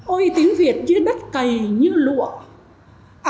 ôi tiếng việt dưới đất cày như lụa